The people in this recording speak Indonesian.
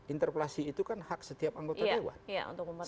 interpelasi itu kan hak setiap anggota dewan